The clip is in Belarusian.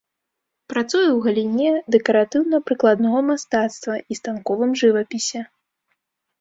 Працуе ў галіне дэкаратыўна-прыкладнога мастацтва і станковым жывапісе.